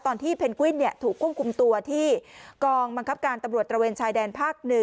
ที่เพนกวินถูกควบคุมตัวที่กองบังคับการตำรวจตระเวนชายแดนภาค๑